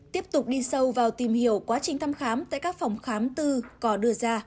tiếp tục đi sâu vào tìm hiểu quá trình thăm khám tại các phòng khám tư có đưa ra